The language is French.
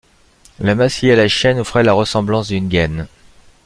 La masse liée à la chaîne offrait la ressemblance d’une gaine.